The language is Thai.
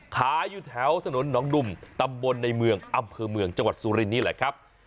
ขายอยู่แถวถนนหนองดุ่มตำบลในเมืองอำเภอเมืองจังหวัดสุรินนี่แหละครับ